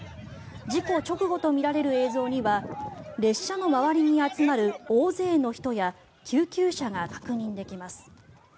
事故直後とみられる映像には列車の周りに集まる大勢の人や救急車が確認できます。